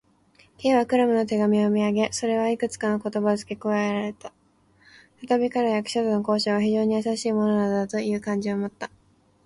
Ｋ はクラムの手紙を読みあげ、それにいくつかの言葉をつけ加えた。ふたたび彼は、役所との交渉が非常にやさしいものなのだという感情をもった。